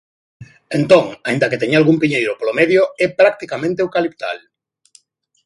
Entón, aínda que teña algún piñeiro polo medio, é practicamente eucaliptal.